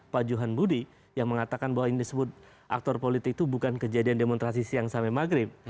pak johan budi yang mengatakan bahwa yang disebut aktor politik itu bukan kejadian demonstrasi siang sampai maghrib